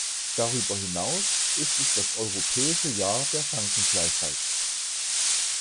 Darüber hinaus ist es das Europäische Jahr der Chancengleichheit.